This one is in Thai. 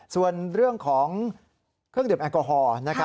ส่วนเรื่องของเครื่องดื่มแอลกอฮอล์